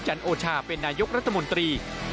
โอชาเป็นนายกรัฐมนตรี